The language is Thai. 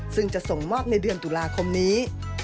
ซึ่งจะส่งมอบในเดือนตุลาคมนี้